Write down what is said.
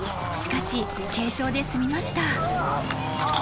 ［しかし軽傷で済みました］